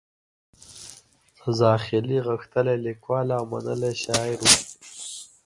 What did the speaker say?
زاخیلي غښتلی لیکوال او منلی شاعر و.